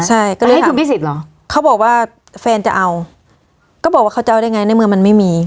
ใช่ก็เลยฮะเขาบอกว่าแฟนจะเอาก็บอกว่าเขาจะเอาได้ไงในเมืองมันไม่มี